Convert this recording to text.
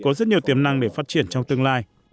có rất nhiều tiềm năng để phát triển trong tương lai